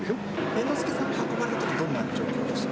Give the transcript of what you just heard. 猿之助さん運ばれたときどんな状況でした？